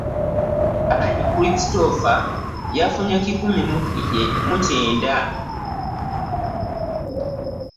Mpalanyi Christopher yafunye kikumi mu kyenda